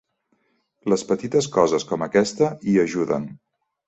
Les petites coses com aquesta hi ajuden.